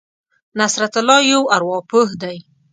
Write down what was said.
نصرت الله یو ارواپوه دی.